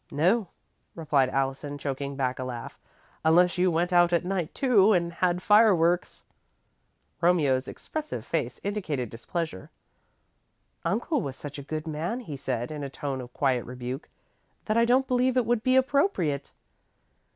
"No," replied Allison, choking back a laugh, "unless you went out at night, too, and had fireworks." Romeo's expressive face indicated displeasure. "Uncle was such a good man," he said, in a tone of quiet rebuke, "that I don't believe it would be appropriate."